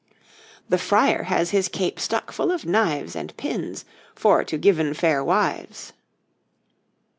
THE FRIAR has his cape stuck full of knives and pins 'for to yeven faire wyves.'